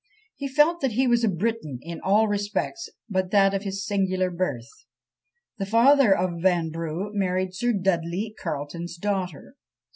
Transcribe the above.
He felt that he was a Briton in all respects but that of his singular birth. The father of Vanbrugh married Sir Dudley Carleton's daughter.